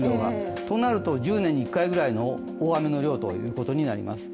となると、１０年に一回ぐらいの大雨の量ということになります。